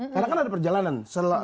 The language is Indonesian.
karena kan ada perjalanan